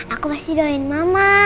aku pasti doain mama